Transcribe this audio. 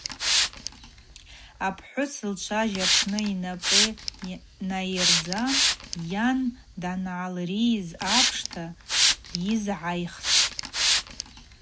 Йпхӏвыс лчважь апны йнапӏы найырдзан йан дангӏалрийыз апшта дйызгӏайхтӏ.